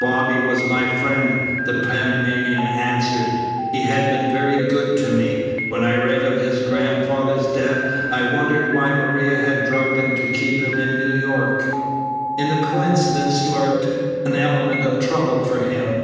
"Bobby was my friend," the Panamanian answered. "He had been very good to me. When I read of his grandfather's death I wondered why Maria had drugged him to keep him in New York. In the coincidence lurked an element of trouble for him.